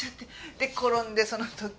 で転んでその時。